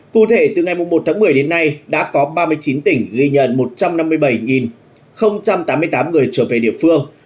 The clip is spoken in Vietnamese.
cụ thể từ ngày một tháng một mươi đến nay đã có ba mươi chín tỉnh ghi nhận một trăm năm mươi bảy tám mươi tám người trở về địa phương